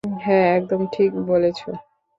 হ্যাঁ, একদম ঠিক বলেছো!